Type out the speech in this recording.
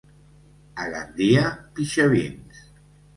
A Gandia, pixavins.